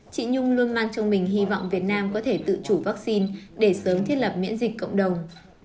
chị nhung luôn mang trong mình hy vọng việt nam có thể tự chủ vaccine để sớm thiết lập miễn dịch cộng đồng